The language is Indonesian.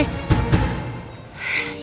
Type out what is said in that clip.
ya ampun put